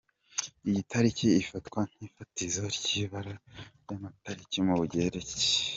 Iyi tariki ifatwa nk’ifatizo ry’ibara ry’amatariki mu Bugereki.